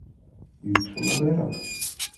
Йӱкшӧ могайрак?